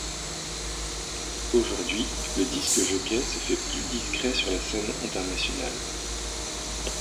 Aujourd'hui, le disc-jockey se fait plus discret sur la scène internationale.